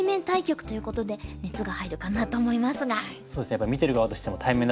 やっぱり見てる側としても対面だとね